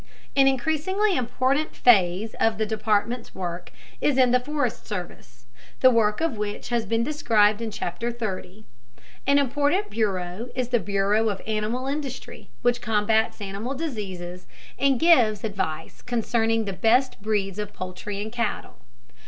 An increasingly important phase of the Department's work is the Forest Service, the work of which has been described in Chapter XXX. An important bureau is the bureau of animal industry, which combats animal diseases and gives advice concerning the best breeds of poultry and cattle.